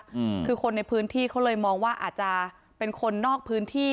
อืมคือคนในพื้นที่เขาเลยมองว่าอาจจะเป็นคนนอกพื้นที่